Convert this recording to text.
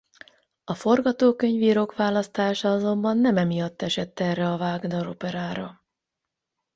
A forgatókönyvírók választása azonban nem emiatt esett erre a Wagner-operára.